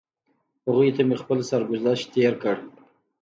هغوی ته مې خپل سرګذشت تېر کړ.